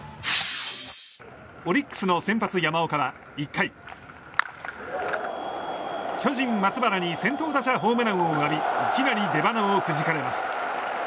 オリックスの先発、山岡は１回巨人、松原に先頭打者ホームランを浴びいきなり出ばなをくじかれます。